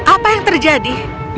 apa yang terjadi